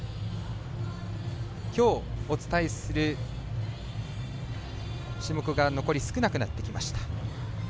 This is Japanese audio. きょう、お伝えする種目が残り少なくなってきました。